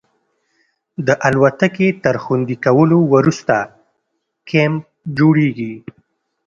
د الوتکې تر خوندي کولو وروسته کیمپ جوړیږي